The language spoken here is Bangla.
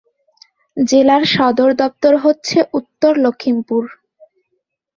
জেলার সদরদপ্তর হচ্ছে উত্তর লখিমপুর।